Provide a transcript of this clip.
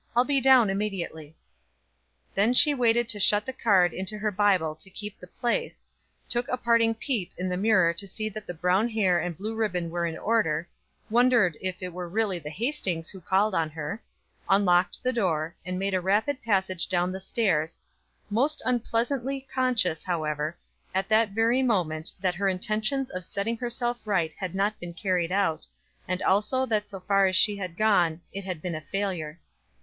"I'll be down immediately." Then she waited to shut the card into her Bible to keep the place, took a parting peep in the mirror to see that the brown hair and blue ribbon were in order, wondered if it were really the Hastings who called on her, unlocked her door, and made a rapid passage down the stairs most unpleasantly conscious, however, at that very moment that her intentions of setting herself right had not been carried out, and also that so far as she had gone it had been a failure.